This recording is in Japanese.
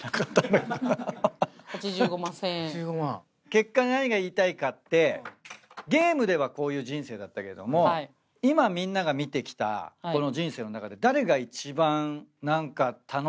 結果何が言いたいかってゲームではこういう人生だったけども今みんなが見てきたこの人生の中で。